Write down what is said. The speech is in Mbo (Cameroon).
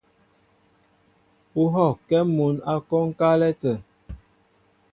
U hɔ́kɛ́ mǔn ǎ kwónkálɛ́ tə̂.